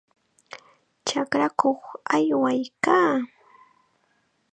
Chakrakuq aywaykaa.